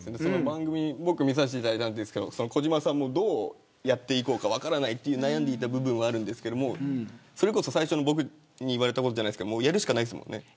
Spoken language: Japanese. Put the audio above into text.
番組僕見させていただいたんですけど児嶋さんもどうやっていこうか分からないという悩んでいた部分はあるんですけどそれこそ、最初の僕に言われたことじゃないですけどもう、やるしかないですもんね。